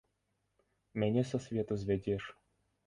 Мяне са свету звядзеш.